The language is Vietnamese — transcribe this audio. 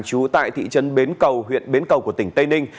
trú tại thị trấn bến cầu huyện bến cầu của tỉnh tây ninh